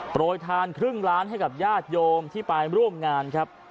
ทานครึ่งล้านให้กับญาติโยมที่ไปร่วมงานครับ